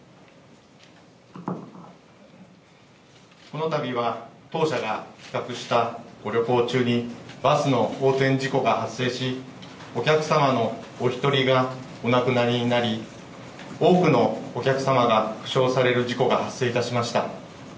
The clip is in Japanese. このたびは当社が企画したご旅行中に、バスの横転事故が発生し、お客様のお１人がお亡くなりになり、多くのお客様が負傷される事故が発生いたしました。